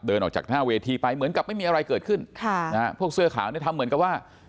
เดินออกจากหน้าเวทีไปเหมือนกับไม่มีอะไรเกิดขึ้นค่ะนะฮะพวกเสื้อขาวเนี่ยทำเหมือนกับว่า